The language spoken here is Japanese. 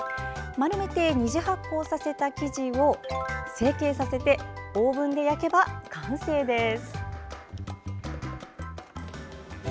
丸めて２次発酵させた生地を成形させてオーブンで焼けば完成です。